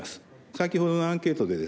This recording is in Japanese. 先ほどのアンケートでですね